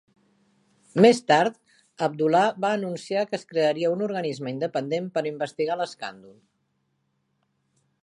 Més tard, Abdullah va anunciar que es crearia un organisme independent per investigar l'escàndol.